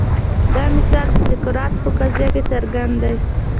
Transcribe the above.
دا مثال د سقراط په قضیه کې څرګند دی.